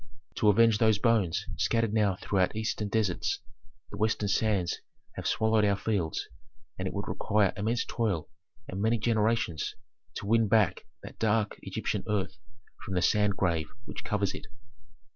"To avenge those bones scattered now throughout eastern deserts, the western sands have swallowed our fields, and it would require immense toil and many generations to win back that dark Egyptian earth from the sand grave which covers it."